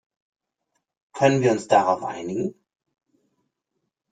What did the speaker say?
Können wir uns darauf einigen?